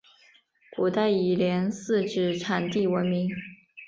古代以连四纸产地闻名。